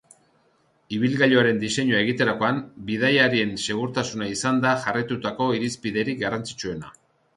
Ibilgailuaren diseinua egiterakoan, bidaiarien segurtasuna izan da jarraitutako irizpiderik garrantzitsuena.